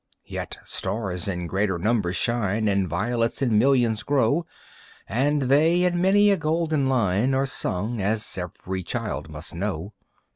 Yet stars in greater numbers shine, And violets in millions grow, And they in many a golden line Are sung, as every child must know.